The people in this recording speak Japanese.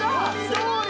すごい。